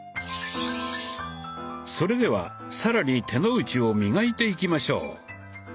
それでは更に手の内を磨いていきましょう。